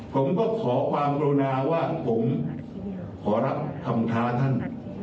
ผมก็ขอความกรุณาว่าผมขอรับคำท้าท่าน